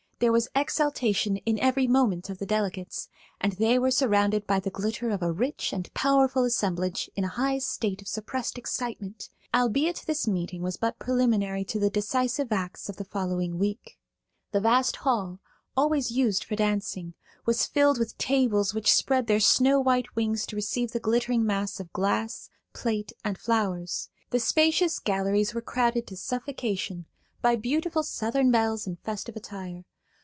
There was exaltation in every movement of the delegates, and they were surrounded by the glitter of a rich and powerful assemblage in a high state of suppressed excitement, albeit this meeting was but preliminary to the decisive acts of the following week. The vast hall, always used for dancing, was filled with tables which spread their snow white wings to receive the glittering mass of glass, plate and flowers. The spacious galleries were crowded to suffocation by beautiful Southern belles in festive attire.